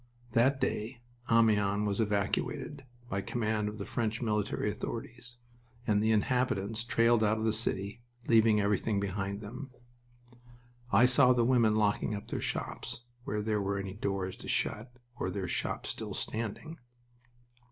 That day Amiens was evacuated, by command of the French military authorities, and the inhabitants trailed out of the city, leaving everything behind them. I saw the women locking up their shops where there were any doors to shut or their shop still standing.